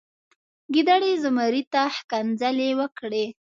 ګیدړې زمري ته ښکنځلې وکړې.